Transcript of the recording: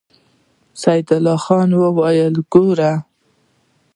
سيدال خان وويل: ګوره!